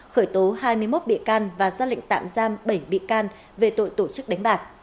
khởi tố hai mươi một bị can và ra lệnh tạm giam bảy bị can về tội tổ chức đánh bạc